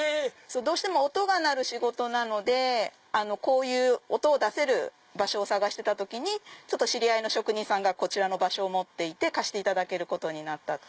どうしても音が鳴る仕事なのでこういう音を出せる場所を探してた時に知り合いの職人さんがこちらの場所を持っていて貸していただけることになった。